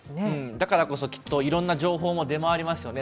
だからこそきっといろんな情報が出回りますよね。